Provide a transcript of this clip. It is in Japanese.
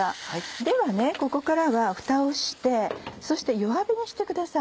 ではここからはふたをしてそして弱火にしてください。